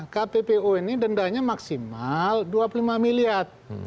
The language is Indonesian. kpu kpu ini dendanya maksimal dua puluh lima miliar